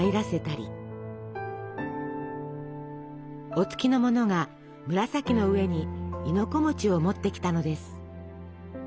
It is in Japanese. お付きの者が紫の上に亥の子を持ってきたのです。